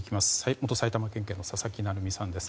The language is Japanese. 元埼玉県警の佐々木成三さんです。